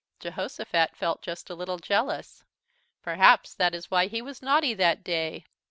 Jehosophat felt just a little jealous. Perhaps that is why he was naughty that day.